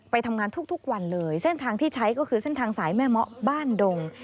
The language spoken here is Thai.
ไปทำงานทุกวันเลยเส้นทางที่ใช้ก็คือเส้นทางสายแม่เมาะบ้านดง